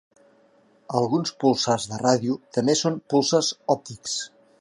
Alguns púlsars de ràdio també són púlsars òptics.